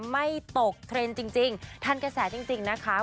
ไม่ตกเทรนด์จริงจริงท่านกระแสจริงจริงนะคะ